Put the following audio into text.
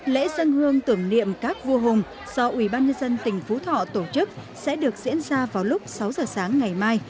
lễ dân hương tưởng niệm các vua hùng do ủy ban nhân dân tỉnh phú thọ tổ chức sẽ được diễn ra vào lúc sáu giờ sáng ngày mai